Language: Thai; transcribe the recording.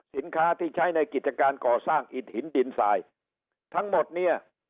สินค้าที่ใช้ในกิจการก่อสร้างอิดหินดินทรายทั้งหมดเนี่ย